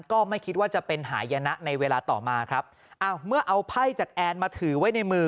ก็ไม่คิดว่าจะเป็นหายนะในเวลาต่อมาครับอ้าวเมื่อเอาไพ่จากแอนมาถือไว้ในมือ